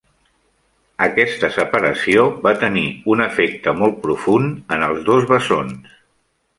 Aquesta separació va tenir un efecte molt profund en els dos bessons.